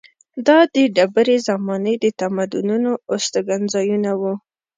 دا د ډبرې زمانې د تمدنونو استوګنځایونه وو.